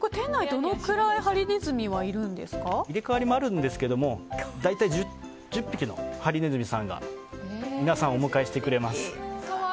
どのくらいハリネズミは入れ替わりもあるんですけど大体１０匹のハリネズミさんが皆さんをお迎えしてくれます。